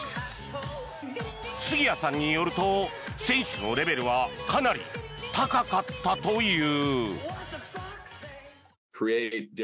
杉谷さんによると選手のレベルはかなり高かったという。